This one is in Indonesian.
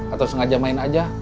atau sengaja main aja